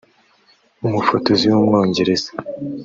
umufotozi w’umwongereza